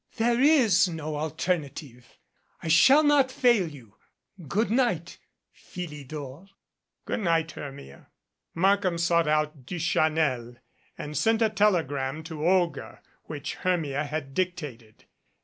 "There is no alternative. I shall not fail you. Good night, Philidor." "Good night, Hermia." Markham sought out Duchanel and sent a telegram to Olga which Hermia had dictated.